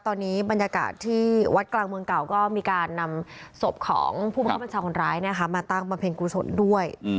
ตอนนี้บรรยากาศที่วัดกลางเมืองเก่าก็มีการนำศพของผู้บังคับบัญชาคนร้ายมาตั้งบำเพ็ญกุศลด้วย